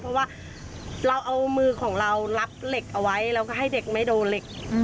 เพราะว่าเราเอามือของเรารับเหล็กเอาไว้เราก็ให้เด็กไม่โดนเหล็ก